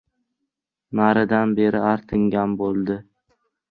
Naridan-beri artingan bo‘ldi.